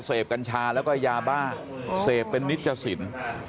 เสบคัญชายัวบ้านเสบเป็นนิจจสิน